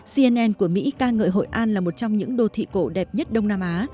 cnn của mỹ ca ngợi hội an là một trong những đô thị cổ đẹp nhất đông nam á